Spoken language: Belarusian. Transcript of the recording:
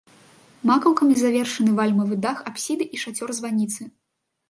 Макаўкамі завершаны вальмавы дах апсіды і шацёр званіцы.